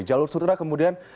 jalur sutra kemudian ke indonesia